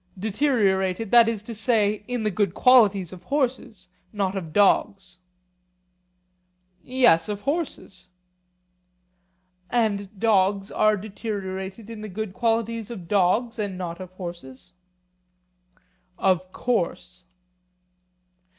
Deteriorated, that is to say, in the good qualities of horses, not of dogs? Yes, of horses. And dogs are deteriorated in the good qualities of dogs, and not of horses? Of course.